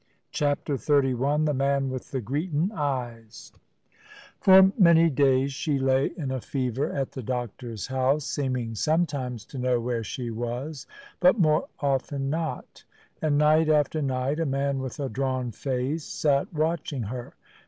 CHAPTER XXXI "THE MAN WITH THE GREETIN' EYES" For many days she lay in a fever at the doctor's house, seeming sometimes to know where she was, but more often not, and night after night a man with a drawn face sat watching her.